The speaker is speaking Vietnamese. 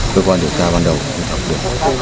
cơ quan điều tra ban đầu cũng đọc được